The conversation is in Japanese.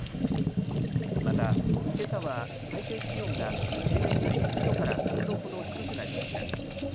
また、けさは最低気温が平年より２度から３度ほど低くなりました。